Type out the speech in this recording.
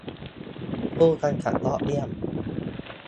- ผู้กำกับยอดเยี่ยม